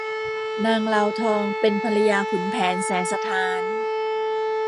นางลาวทองเป็นภรรยาขุนแผนแสนสะท้าน